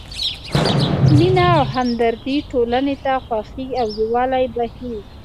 مینه او همدردي ټولنې ته خوښي او یووالی بښي.